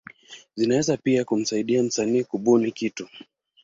Zinaweza pia kumsaidia msanii kubuni kitu.